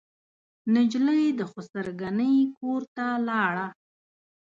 نجلۍ د خسر ګنې کورته لاړه.